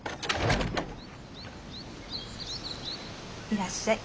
いらっしゃい。